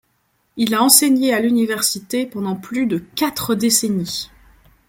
Il a enseigné à l'université pendant plus de quatre décennies.